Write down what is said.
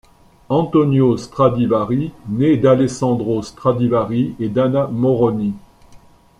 Antonio Stradivari naît d'Alessandro Stradivari et d'Anna Moroni.